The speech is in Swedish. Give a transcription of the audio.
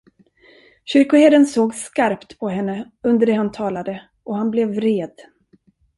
Kyrkoherden såg skarpt på henne, under det han talade, och han blev vred.